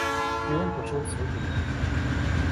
И он прошел в свой кабинет.